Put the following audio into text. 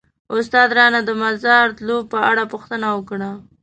استاد رانه د مزار تلو په اړه پوښتنه وکړه.